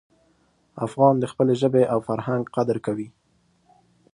افغان د خپلې ژبې او فرهنګ قدر کوي.